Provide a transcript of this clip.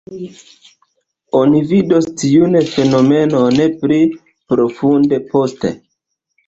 Oni vidos tiun fenomenon pli profunde poste.